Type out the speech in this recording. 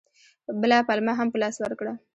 بله پلمه هم په لاس ورکړه.